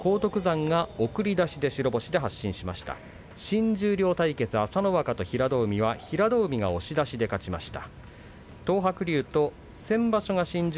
新十両対決、朝乃若と平戸海が平戸海が押し出しで勝ちました。